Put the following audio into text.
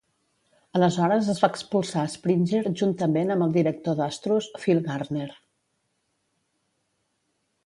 Aleshores es va expulsar Springer juntament amb el director d'Astros, Phil Garner.